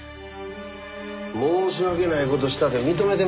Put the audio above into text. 申し訳ない事したて認めてますやん。